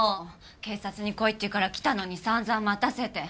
警察に来いっていうから来たのに散々待たせて。